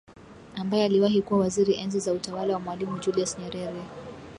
ambaye aliwahi kuwa waziri enzi za utawala wa Mwalimu Julius Nyerere